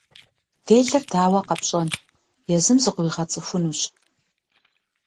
Делэр дауэ къэпщӏэн, езым зыкъыуигъэцӏыхунщ.